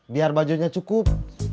biar bajunya cukup